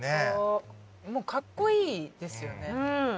もうかっこいいですよね。